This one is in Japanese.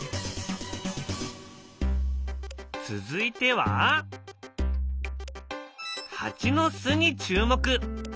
続いてはハチの巣に注目。